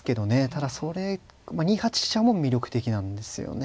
ただそれ２八飛車も魅力的なんですよね。